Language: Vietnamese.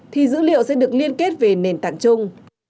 thì dữ liệu sẽ được liên kết về nền tảng chung